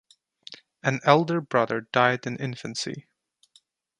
An elder brother died in infancy.